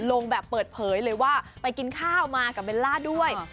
ลงแบบเปิดเผยเลยว่าไปกินข้าวมากับเบลล่าด้วย